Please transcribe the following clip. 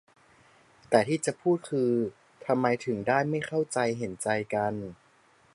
แต่ที่จะพูดคือ ทำไมถึงได้ไม่เข้าใจเห็นใจกัน